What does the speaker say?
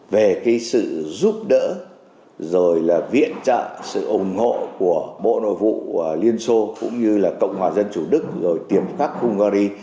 về sự giúp đỡ viện trợ ủng hộ của bộ nội vụ liên xô cộng hòa dân chủ đức tiếp pháp hungary